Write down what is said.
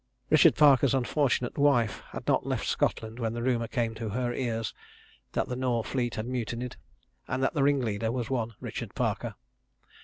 Richard Parker's unfortunate wife had not left Scotland, when the rumour came to her ears that the Nore fleet had mutinied, and that the ringleader was one Richard Parker.